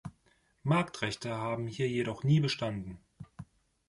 Marktrechte haben hier jedoch nie bestanden.